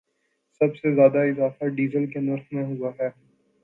سب سے زیادہ اضافہ ڈیزل کے نرخ میں ہوا ہے